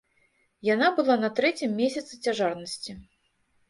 Яна была на трэцім месяцы цяжарнасці.